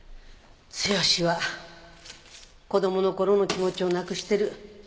剛は子供の頃の気持ちをなくしてる。